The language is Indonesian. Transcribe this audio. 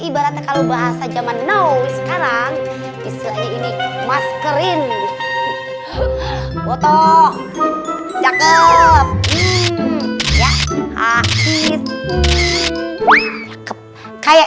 ibarat kalau bahasa zaman now sekarang bisa ini maskerin foto cakep ya akhir akhir kayak